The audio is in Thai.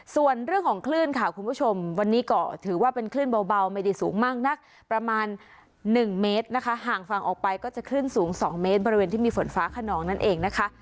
ส่วนเรื่องของคลื่นค่ะคุณผู้ชมวันนี้ก็ถือว่าเป็นคลื่นเบาไม่ได้สูงมากนักประมาณ๑เมตรนะคะห่างฝั่งออกไปก็จะคลื่นสูง๒เมตรบริเวณที่มีฝนฟ้าขนองนั่นเองนะคะ